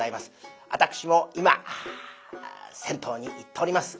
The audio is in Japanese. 私も今銭湯に行っております。